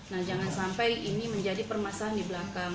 nah jangan sampai ini menjadi permasalahan di belakang